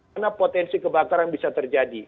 karena potensi kebakaran bisa terjadi